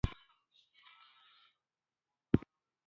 خلکو انګلیسي توکي بایکاټ کړل.